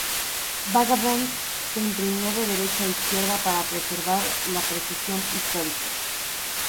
Vagabond se imprimió de derecha a izquierda para preservar la precisión histórica.